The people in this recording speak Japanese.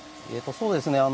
そうですね